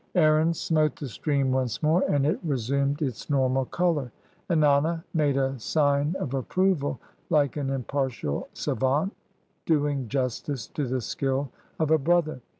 Aaron smote the stream once more, and it resumed its normal color. Ennana made a sign of approval, like an impartial savant doing justice to the skill of a brother.